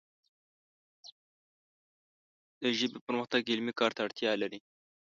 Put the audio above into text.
د ژبې پرمختګ علمي کار ته اړتیا لري